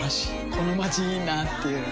このまちいいなぁっていう